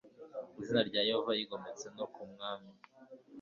izina rya Yehova Yigometse no ku Mwami